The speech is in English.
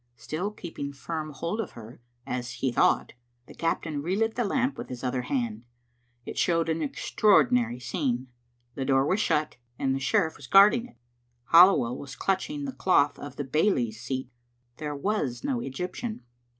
Still keeping firm hold of her, as he thought, the captain relit the lamp with his other hand. It showed an extraordinary scene. The door was shut, and the sherifiE was guarding it. Halliwell was clutching the cloth of the bailie's seat. There was no Egyptian.